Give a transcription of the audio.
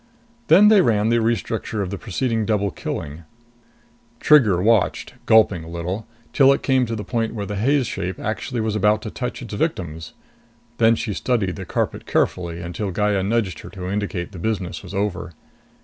Then they ran the restructure of the preceding double killing. Trigger watched, gulping a little, till it came to the point where the haze shape actually was about to touch its victims. Then she studied the carpet carefully until Gaya nudged her to indicate the business was over.